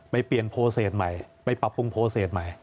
ไปเปลี่ยนโพเศษใหม่ไปปรับปรุงโพเศสใหม่